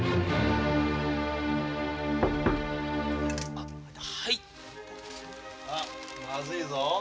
あっまずいぞ。